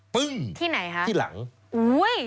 ปึ้งที่หลังครับ